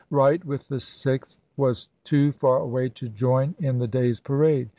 Wright, with the Sixth, was too far away to join in the day's parade.